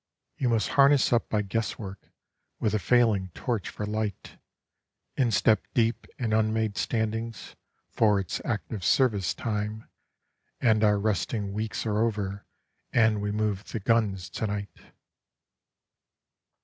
(You must harness up by guesswork with a failing torch for light, Instep deep in unmade standings, for it's active service time, And our resting weeks are over, and we move the guns to night.)